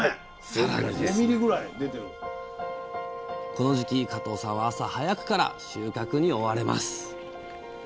この時期加藤さんは朝早くから収穫に追われます